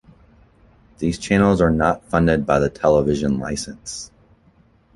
These channels are not funded by the television licence.